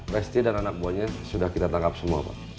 resti dan anak buahnya sudah kita tangkap semua pak